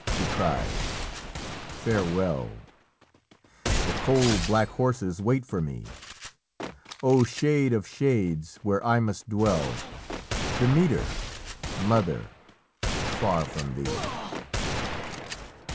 she cries, 'farewell; The coal black horses wait for me. O shade of shades, where I must dwell, Demeter, mother, far from thee!'"